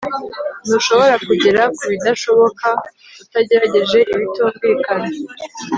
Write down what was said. ntushobora kugera kubidashoboka utagerageje ibitumvikana